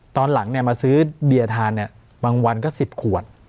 ตอนหลังมาซื้อเบียร์ทานเนี่ยบางวันก็๑๐ขวด